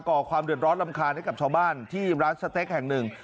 ก่อความเดือดร้อนรำคาญให้กับชาวบ้านที่ร้านสเต็กแห่งหนึ่ง